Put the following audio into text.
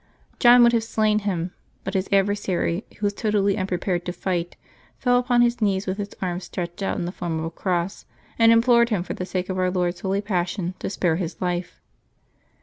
John would have slain him; but his adversary, who was totally unpre pared to fight, fell upon his knees with his arms stretched out in the form of a cross, and implored him, for the sake of Our Lord's holy Passion, to spare his life.